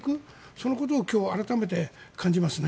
そのことを、今日は改めて感じますね。